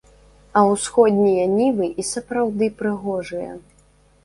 А ўсходнія нівы і сапраўды прыгожыя.